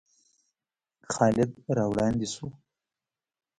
خالد را وړاندې شو.